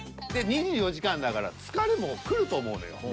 ２４時間だから疲れもくると思うのよ。